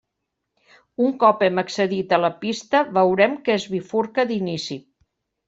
Un cop hem accedit a la pista, veurem que es bifurca d'inici.